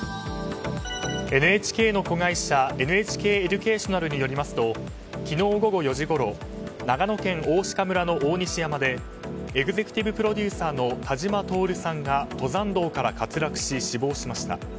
ＮＨＫの子会社ＮＨＫエデュケーショナルによりますと昨日午後４時ごろ長野県大鹿村の大西山でエグゼクティブプロデューサーの田島徹さんが登山道から滑落し、死亡しました。